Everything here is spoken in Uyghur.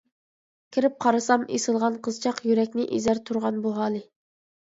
كىرىپ قارىسام ئېسىلغان قىزچاق، يۈرەكنى ئېزەر تۇرغان بۇ ھالى.